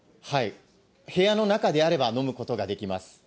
はい、部屋の中であれば飲むことができます。